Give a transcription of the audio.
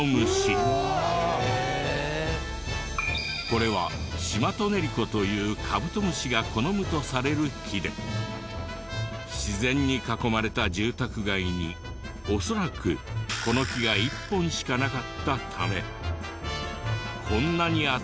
これはシマトネリコというカブトムシが好むとされる木で自然に囲まれた住宅街に恐らくこの木が１本しかなかったためこんなに集まってきたと考えられる。